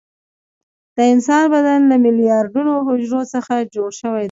د انسان بدن له میلیارډونو حجرو څخه جوړ شوی دی